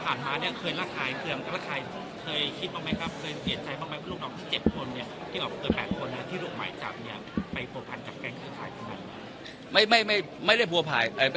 ไปงู้ชอบไว้ค่ะค่ะเท่าที่ไงไม่มั้ยไม่ได้ไหวภายเอ้ยไม่